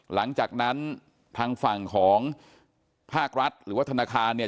หลังจากนั้นทางฝั่งของภาครัฐหรือว่าธนาคารเนี่ย